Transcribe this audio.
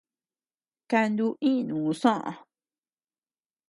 Kanu inu soʼö.